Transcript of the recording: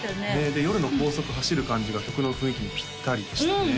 で夜の高速走る感じが曲の雰囲気にぴったりでしたね